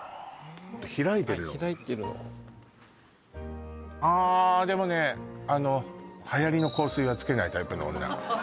開いてるのをはい開いてるのをあでもねあのはやりの香水はつけないタイプの女